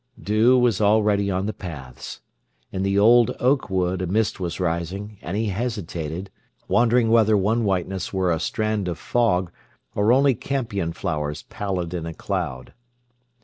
Dew was already on the paths. In the old oak wood a mist was rising, and he hesitated, wondering whether one whiteness were a strand of fog or only campion flowers pallid in a cloud.